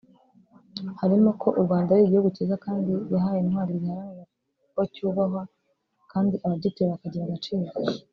harimo ko u Rwanda ari igihugu cyiza kandi yahaye intwari ziharanira ko cyubahwa kandi abagituye bakagira agaciro